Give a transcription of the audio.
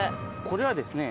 これはですね。